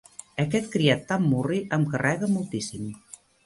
Aquest criat tan murri em carrega moltíssim.